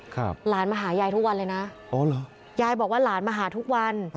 หลานมาหายายทุกวันเลยนะอ๋อเหรอยายบอกว่าหลานมาหาทุกวัน